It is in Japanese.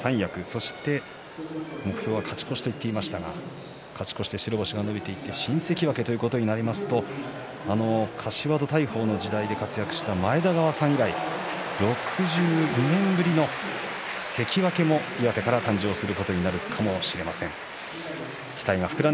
そして目標は勝ち越しと言っていましたが勝ち越して白星が伸びていて新関脇ということになりますと柏戸大鵬の時代で活躍した前田川さん以来６２年ぶりの関脇が岩手から誕生することになるかもしれません。